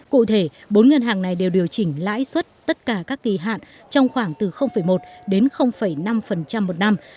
cụ thể bốn ngân hàng này đều điều chỉnh lãi suất tất cả các kỳ hạn trong khoảng từ một đến năm một năm